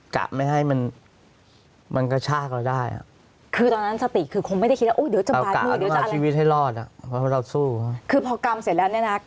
กำมิดเลยเหรอ